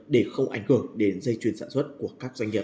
để không ảnh hưởng đến dây chuyền sản xuất của các doanh nghiệp